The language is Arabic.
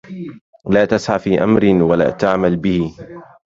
لا تسع في أمر ولا تعمل به